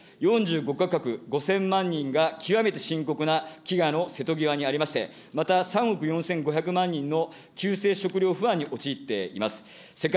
現在でも、４５か国５０００万人が、極めて深刻な飢餓の瀬戸際にありまして、また３億４５００万人の急性食料不安に陥っています。